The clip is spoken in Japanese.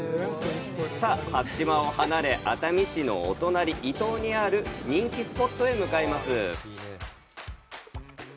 初島を離れ、熱海市のお隣、伊東にある人気スポットへ向かいます。